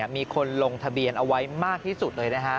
มีคนลงทะเบียนเอาไว้มากที่สุดเลยนะฮะ